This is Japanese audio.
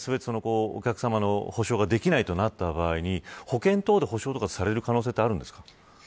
お客さまの補償ができないとなった場合に保険等で補償等がされる可能性はあるんですか。